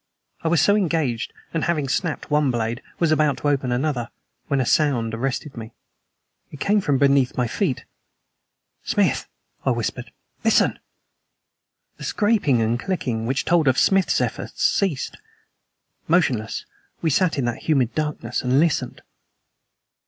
I was so engaged, and, having snapped one blade, was about to open another, when a sound arrested me. It came from beneath my feet. "Smith," I whispered, "listen!" The scraping and clicking which told of Smith's efforts ceased. Motionless, we sat in that humid darkness and listened.